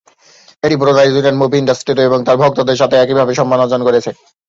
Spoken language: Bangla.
এটি পুরো নাইজেরিয়ান মুভি ইন্ডাস্ট্রিতে এবং তার ভক্তদের সাথে একইভাবে সম্মান অর্জন করেছে।